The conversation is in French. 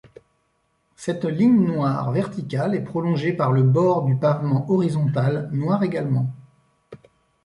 Cette ligne noire verticale est prolongée par le bord du pavement horizontal, noir également.